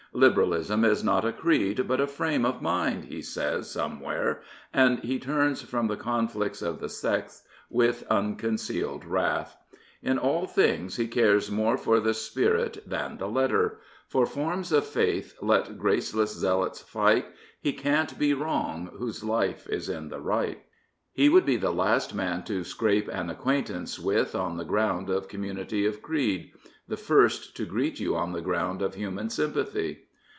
" Liberalism is not a creed, but a frame of mind " he says somewhere, and he turns from the conflicts of the sects with unconcealed wrath. In all things he cares more for the spirit than the letter — For forms of faith let graceless eealots fight, He can't be wrong whose life is in the right. 319 Prophets, Priests, and Kings He would be the last man to scrape an acquaintance with on the ground of community of creed: the first to greet you on the ground of human sympathy.